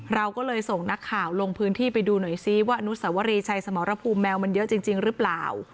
เราก็เลยส่งนักข่าวลงพื้นที่ไปดูหน่อยซิว่าอนุสวรีชัยสมรภูมิแมวมันเยอะจริงหรือเปล่า